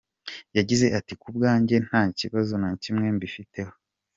Yagize ati: “Ku bwanjye nta kibazo na kimwe mbifiteho.